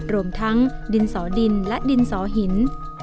รวมทั้งดินสอดินและดินสอหิน